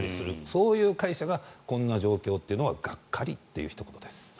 そういう会社がこんな状況というのはがっかりというひと言です。